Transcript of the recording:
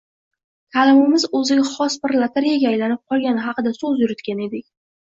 ta’limimiz o‘ziga xos bir lotereyaga aylanib qolgani haqida so‘z yuritgan edik.